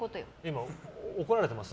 今怒られてます？